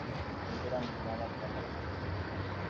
Sungura ni mnyama mjanja sana